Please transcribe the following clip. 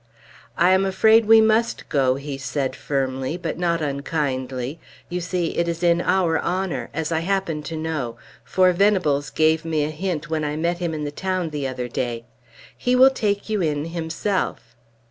"I am afraid we must go," he said firmly, but not unkindly. "You see, it is in our honor as I happen to know; for Venables gave me a hint when I met him in the town the other day. He will take you in himself."